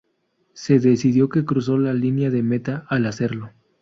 Se decidió que cruzó la línea de meta al hacerlo.